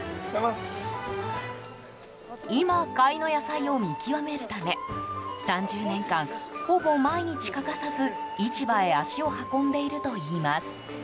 今買いの野菜を見極めるため３０年間ほぼ毎日欠かさず市場へ足を運んでいるといいます。